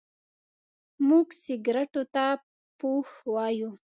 موږ سګرېټو ته پو وايو.